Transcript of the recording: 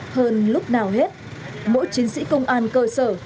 hơn lúc nào hết mỗi chiến sĩ công an cơ sở